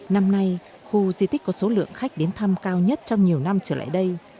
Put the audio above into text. năm nay khu di tích có số lượng khách đến thăm cao nhất trong nhiều năm trở lại đây